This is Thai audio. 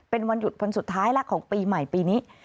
เป็นวันหยุดวันสุดท้ายแล้วของปีใหม่ปีนี้